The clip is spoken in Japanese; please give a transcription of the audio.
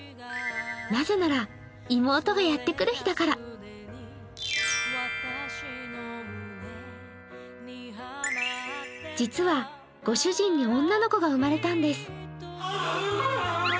なぜなら、妹がやってくる日だから実は、ご主人に女の子が生まれたんです。